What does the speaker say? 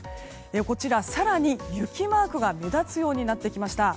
こちら更に雪マークが目立つようになってきました。